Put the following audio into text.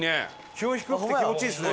気温低くて気持ちいいですね。